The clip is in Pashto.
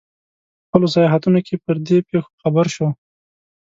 په خپلو سیاحتونو کې پر دې پېښو خبر شو.